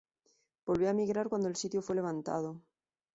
Volvió a emigrar cuando el sitio fue levantado.